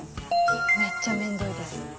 めっちゃめんどいです。